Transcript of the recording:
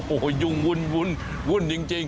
โอ้โหยุ่งหุ่นหุ่นหุ่นจริงจริง